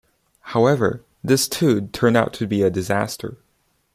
However, this too turned out to be a disaster.